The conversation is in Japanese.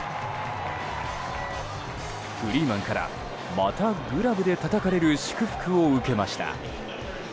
フリーマンから、またグラブでたたかれる祝福を受けました。